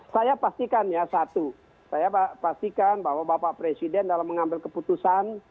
saya pastikan ya satu saya pastikan bahwa bapak presiden dalam mengambil keputusan